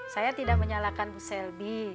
saya tidak menyalahkan bu selbi